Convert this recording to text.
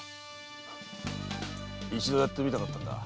一度やってみたかったんだ。